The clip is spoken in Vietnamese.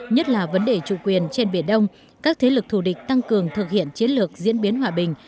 nhất là vấn đề chủ quyền trên biển đông các thế lực thù địch tăng cường thực hiện chiến lược diễn biến hòa bình